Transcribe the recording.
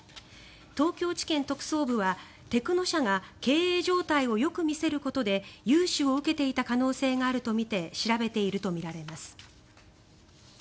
東京地検特捜部は、テクノ社が経営状態をよく見せることで融資を受けていた可能性があるとみて調べているとみられます。